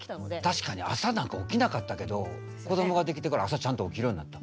確かに朝なんか起きなかったけど子どもができてから朝ちゃんと起きるようになった。